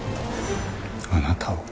あなたを？